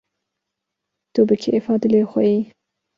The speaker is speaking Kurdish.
- Tu bi kêfa dilê xwe yî…